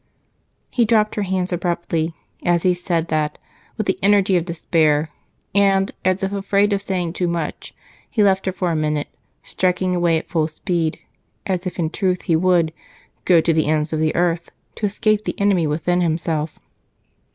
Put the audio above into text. He dropped her hands abruptly as he said that, with the energy of despair; and, as if afraid of saying too much, he left her for a minute, striking away at full speed, as if in truth he would "go to the ends of the earth" to escape the enemy within himself.